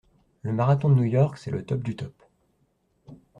Le marathon de New York, c'est le top du top.